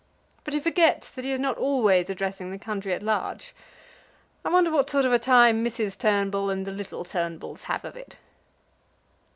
But he forgets that he is not always addressing the country at large. I wonder what sort of a time Mrs. Turnbull and the little Turnbulls have of it?"